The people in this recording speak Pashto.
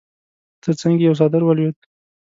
تر څنګ يې يو څادر ولوېد.